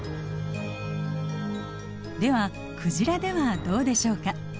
ではクジラではどうでしょうか。